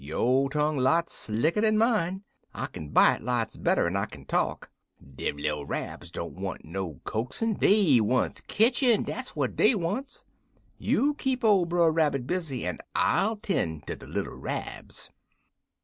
Yo' tongue lots slicker dan mine. I kin bite lots better'n I kin talk. Dem little Rabs don't want no coaxin'; dey wants ketchin' dat what dey wants. You keep ole Brer Rabbit busy, en I'll ten' der de little Rabs.'